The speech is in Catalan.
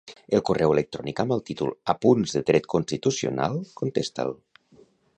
El correu electrònic amb el títol "Apunts de dret constitucional", contesta'l.